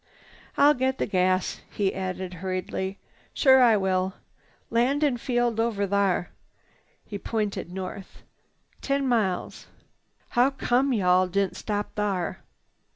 "I'll get the gas," he added hurriedly. "Sure I will. Landin' field over thar." He pointed north. "Ten miles. How come you all didn't stop thar?"